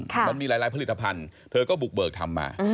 มันมีหลายผลิตภัณฑ์เธอก็บุกเบิกทำมา